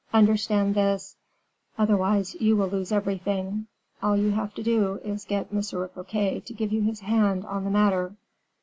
Understand this: otherwise you will lose everything. All you have to do is to get M. Fouquet to give you his hand on the matter.